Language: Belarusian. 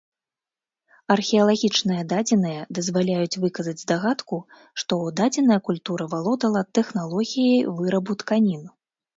Археалагічныя дадзеныя дазваляюць выказаць здагадку, што дадзеная культура валодала тэхналогіяй вырабу тканін.